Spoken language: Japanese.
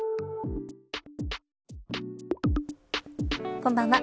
こんばんは。